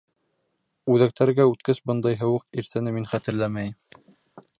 Үҙәктәргә үткес бындай һыуыҡ иртәне мин хәтерләмәйем.